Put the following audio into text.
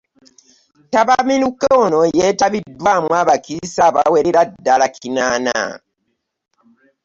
Ttabamiruka ono yeetabiddwamu abakiise abawerera ddala kinaana.